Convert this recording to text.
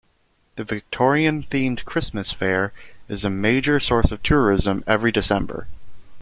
The Victorian-themed Christmas Fayre is a major source of tourism every December.